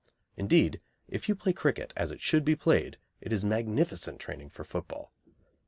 Indeed, if you play cricket as it should be played it is magnificent training for football.